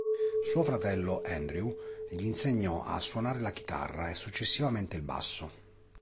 Suo fratello Andrew gli insegnò a suonare la chitarra, e successivamente il basso.